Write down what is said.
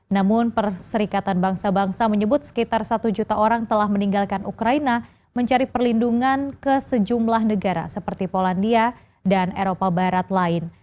namun perserikatan bangsa bangsa menyebut sekitar satu juta orang telah meninggalkan ukraina mencari perlindungan ke sejumlah negara seperti polandia dan eropa barat lain